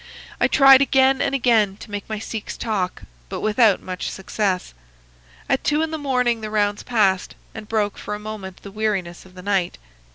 I tried again and again to make my Sikhs talk, but without much success. At two in the morning the rounds passed, and broke for a moment the weariness of the night.